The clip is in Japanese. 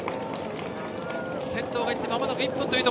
先頭が行ってまもなく１分。